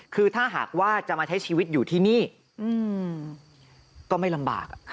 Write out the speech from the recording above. คือถ้าหากว่าจะมาใช้ชีวิตอยู่ที่นี่ก็ไม่ลำบาก